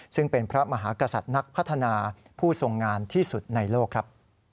ซึ่งเป็นพระมหากษัตริย์นักพัฒนาผู้ทรงงานที่สุดในโลกครับ